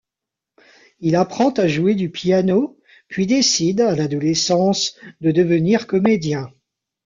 Il apprend à jouer du piano, puis décide, à l'adolescence, de devenir comédien.